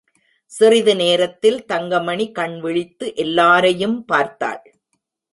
சிறிது நேரத்தில் தங்கமணி கண்விழித்து எல்லாரையும் பார்த்தாள்.